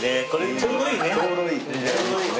ちょうどいいね。